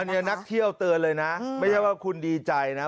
อันนี้นักเที่ยวเตือนเลยนะไม่ใช่ว่าคุณดีใจนะ